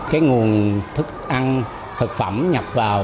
cái nguồn thức ăn thực phẩm nhập vào